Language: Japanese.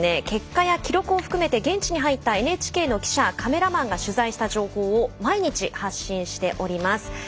結果や記録を含めて現地に入ったＮＨＫの記者カメラマンが取材した情報を毎日、発信しております。